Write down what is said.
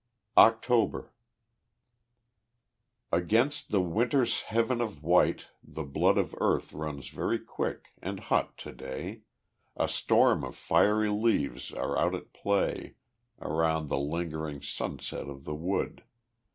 October Against the winter's heav'n of white the blood Of earth runs very quick and hot to day; A storm of fiery leaves are out at play Around the lingering sunset of the wood.